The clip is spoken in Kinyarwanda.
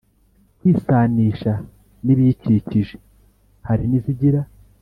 kwisanisha n’ibiyikikije Hari n’izigira